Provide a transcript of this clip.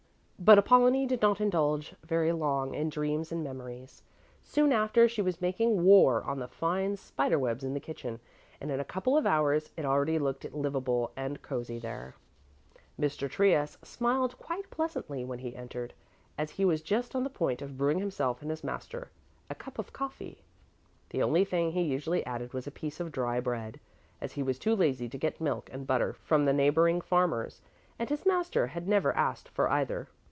But Apollonie did not indulge very long in dreams and memories. Soon after, she was making war on the fine spider webs in the kitchen, and in a couple of hours it already looked livable and cosy there. Mr. Trius smiled quite pleasantly when he entered, as he was just on the point of brewing himself and his master a cup of coffee. The only thing he usually added was a piece of dry bread, as he was too lazy to get milk and butter from the neighboring farmers, and his master had never asked for either.